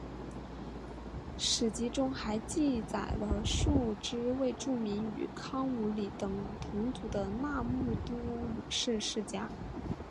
史籍中还记载了数支未注明与康武理等同族的那木都鲁氏世家。